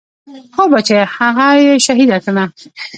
هو بچيه هغه يې شهيده کړه.